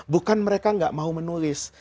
bukan mereka nggak mau menulis